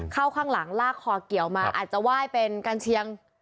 ข้างหลังลากคอเกี่ยวมาอาจจะไหว้เป็นกัญเชียง